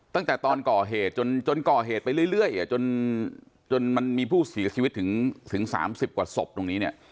ตั้งแต่ตอนก่อเหตุจนก่อเหตุไปเรื่อยจนมันมีผู้เสียชีวิตถึง๓๐กว่าศพตรงนี้เนี่ย